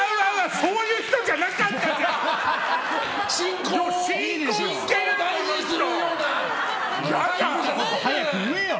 そういう人じゃなかったじゃん！